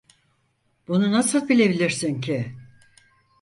Bunu nasıl bilebilirsin ki?